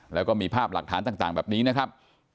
แล้วก็มีภาพหลักฐานต่างแบบนี้นะครับ